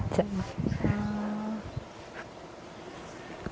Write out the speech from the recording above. ใช่